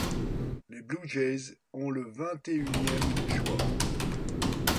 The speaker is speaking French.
Les Blue Jays ont le vingt-et-unième choix.